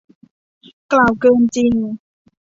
กล่าวเกินจริง